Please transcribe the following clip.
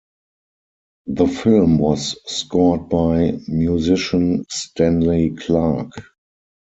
The film was scored by musician Stanley Clarke.